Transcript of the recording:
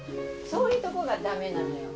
そういうとこが駄目なのよ。